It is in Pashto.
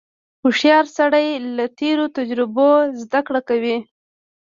• هوښیار سړی له تېرو تجربو زدهکړه کوي.